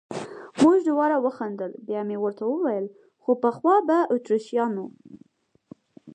موږ دواړو وخندل، بیا مې ورته وویل: خو پخوا به اتریشیانو.